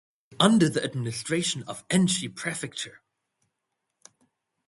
It is under the administration of Enshi Prefecture.